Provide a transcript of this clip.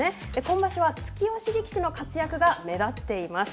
今場所は突き押し力士の活躍が目立っています。